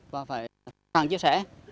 và phải sẵn sàng chia sẻ